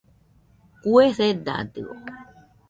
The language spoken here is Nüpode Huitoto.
Kue sedadio.